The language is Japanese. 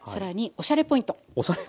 おしゃれポイント。